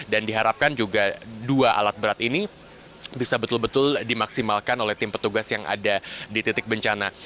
dan diharapkan juga dua alat berat ini bisa betul betul dimaksimalkan oleh tim petugas yang ada di titik bencana